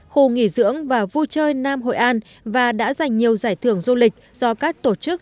khu nghỉ dưỡng và vui chơi nam hội an và đã giành nhiều giải thưởng du lịch do các tổ chức